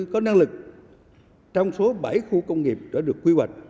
có năng lực trong số bảy khu công nghiệp đã được quy hoạch